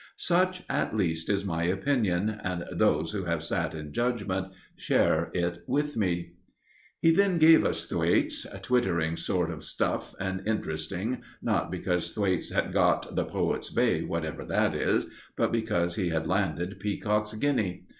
Such, at least, is my opinion, and those who have sat in judgment share it with me." He then gave us Thwaites twittering sort of stuff, and interesting, not because Thwaites had got "the poet's bay," whatever that is, but because he had landed Peacock's guinea.